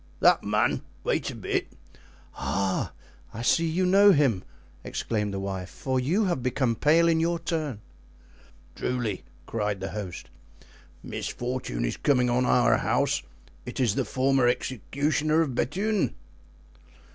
"That man—wait a bit." "Ah! I see you know him," exclaimed the wife; "for you have become pale in your turn." "Truly," cried the host, "misfortune is coming on our house; it is the former executioner of Bethune."